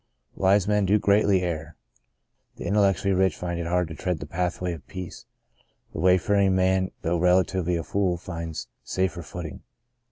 Wise men do greatly err The intellectually rich find it hard to tread the pathway of peace — the wayfaring man though relatively a fool finds safer footing.